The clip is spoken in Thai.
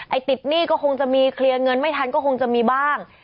ติดหนี้ก็คงจะมีเคลียร์เงินไม่ทันก็คงจะมีบ้าง